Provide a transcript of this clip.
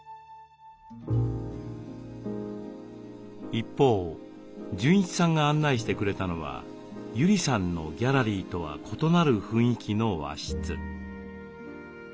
一方純一さんが案内してくれたのは友里さんのギャラリーとは異なる雰囲気の和室。